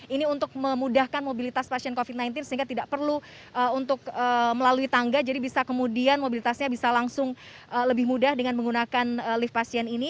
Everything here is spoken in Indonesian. ini untuk memudahkan mobilitas pasien covid sembilan belas sehingga tidak perlu untuk melalui tangga jadi bisa kemudian mobilitasnya bisa langsung lebih mudah dengan menggunakan lift pasien ini